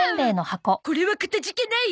これはかたじけない。